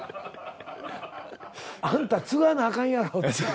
あんた継がなあかんやろって。